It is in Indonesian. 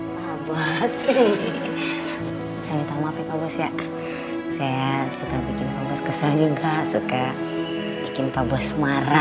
maaf ya saya minta maaf ya pak bos saya suka bikin pak bos kesel juga suka bikin pak bos marah